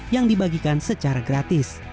yang dibagikan secara gratis